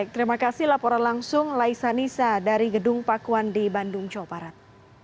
terima kasih laporan langsung laisa nisa dari gedung pakuan di bandung jawa barat